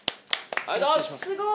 ありがとうございます！